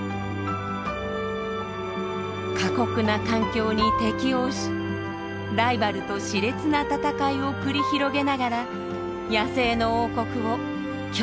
過酷な環境に適応しライバルと熾烈な戦いを繰り広げながら野生の王国を今日も歩き続けます。